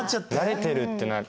慣れてるってなる。